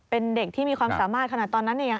เป็นเด็กที่มีความสามารถขนาดตอนนั้นเนี่ย